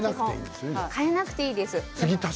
替えなくていいです。